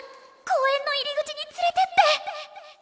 公園の入り口に連れてって！